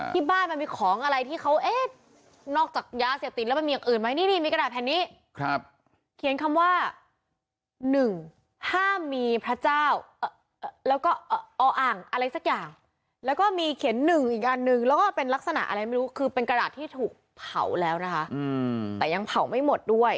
ที่บ้านมันมีของอะไรที่เนอกจากยาเสียบติดแล้วมีหนึ่งอื่นไหม